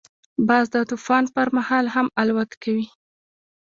باز د طوفان پر مهال هم الوت کوي